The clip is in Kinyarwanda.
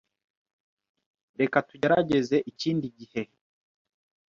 Reka tugerageze ikindi gihe.